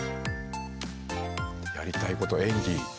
やりたいこと演技。